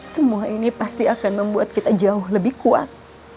semua ini pasti akan membuat kita jauh lebih kuat